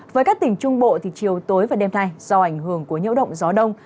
với các tỉnh trung bộ chiều tối và đêm nay do ảnh hưởng của nhiễu động gió đông